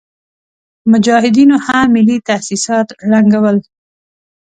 مجاهدينو هم ملي تاسيسات ړنګول.